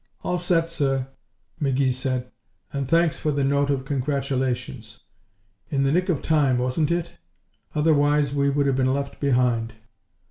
"All set, sir," McGee said, "and thanks for the note of congratulations. In the nick of time, wasn't it? Otherwise we would have been left behind."